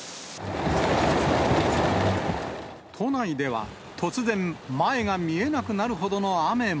都内では、突然、前が見えなくなるほどの雨も。